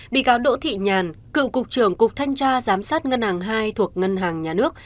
bị cáo đỗ thị nhàn cựu cục trưởng cục thanh tra giám sát ngân hàng hai thuộc ngân hàng nhà nước